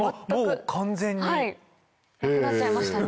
もう完全に。なくなっちゃいましたね。